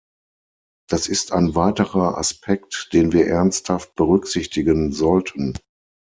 Das ist ein weiterer Aspekt, den wir ernsthaft berücksichtigen sollten.